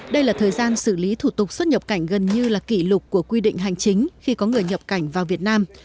đây là thời gian xử lý thủ tục xuất nhập cảnh gần như là kỷ lục của quy định hành chính khi có người nhập cảnh vào việt nam